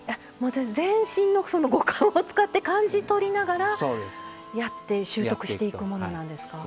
全身の五感を使って感じとりながら習得していくものなんですか。